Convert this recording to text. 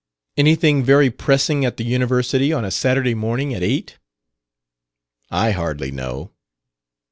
Anything very pressing at the University on a Saturday morning at eight?" "I hardly know."